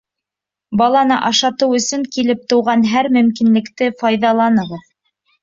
Баланы ашатыу өсөн килеп тыуған һәр мөмкинлекте файҙаланығыҙ.